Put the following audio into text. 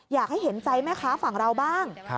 อยากให้เห็นใจแม่ค้าฝั่งเราบ้าง